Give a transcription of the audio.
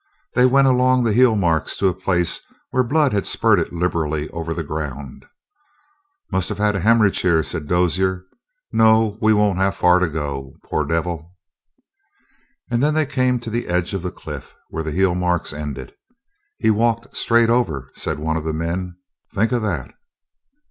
They went along the heel marks to a place where blood had spurted liberally over the ground. "Must have had a hemorrhage here," said Dozier. "No, we won't have far to go. Poor devil!" And then they came to the edge of the cliff, where the heel marks ended. "He walked straight over," said one of the men. "Think o' that!"